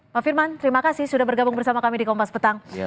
pak firman terima kasih sudah bergabung bersama kami di kompas petang